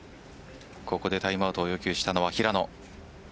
ここでタイムアウトを要求したのは平野。